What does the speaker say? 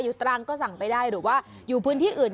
ตรังก็สั่งไปได้หรือว่าอยู่พื้นที่อื่น